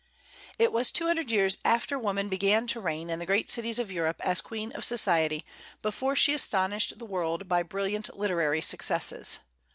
It was two hundred years after woman began to reign in the great cities of Europe as queen of society, before she astonished the world by brilliant literary successes.